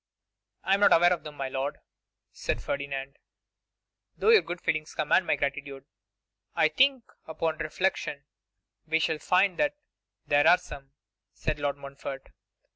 'I am not aware of them, my lord,' said Ferdinand, 'though your good feelings command my gratitude.' 'I think, upon reflection, we shall find that there are some,' said Lord Montfort.